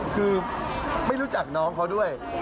คือไม่รู้จักน้องเขาด้วย